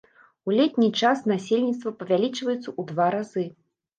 У летні час насельніцтва павялічваецца ў два разы.